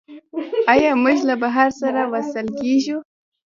آیا موږ له بحر سره وصل کیږو؟